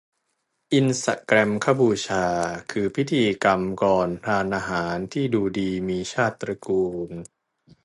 อินสแกรมฆบูชา คือพิธีกรรมก่อนทานอาหารที่ดูดีมีชาติตระกูล